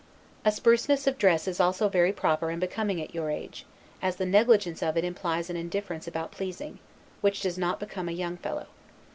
A spruceness of dress is also very proper and becoming at your age; as the negligence of it implies an indifference about pleasing, which does not become a young fellow.